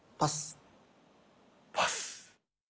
パス。